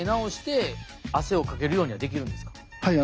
はい。